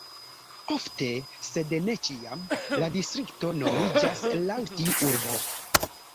Ofte, sed ne ĉiam, la distrikto nomiĝas laŭ tiu urbo.